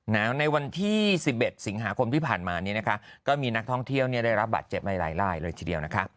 ในวันที่๑๑สิงหาคมที่ผ่านมานี้นะคะก็มีนักท่องเที่ยวได้รับบาดเจ็บหลายลายเลยทีเดียวนะคะ